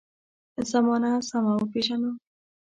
زمانه سمه وپېژنو.